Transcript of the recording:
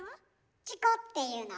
チコっていうの。